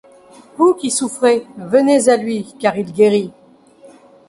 Vous qui souffrez, venez à lui, car il guérit.